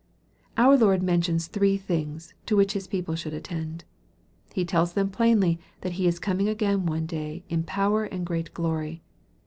Our Lord mentions three things, to which His people should attend. He tells them plainly that He is coming again one day, in power and great glory.